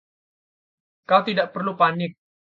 Kau tidak perlu panik.